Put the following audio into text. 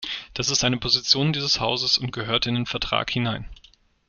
Das ist eine Position dieses Hauses und gehört in den Vertrag hinein.